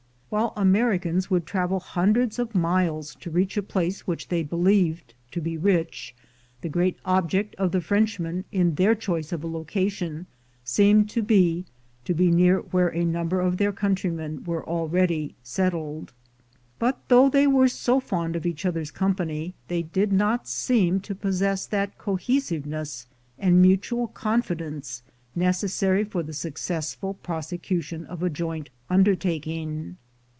While Americans would travel hundreds of miles to reach a place which they believed to be rich, the great object of the French men, in their choice of a location, seemed to be, to be near where a number of their countrymen were already settled. But though they were so fond of each other's company, they did not seem to possess that cohesive ness and mutual confidence necessary for the successful prosecution of a joint undertaking.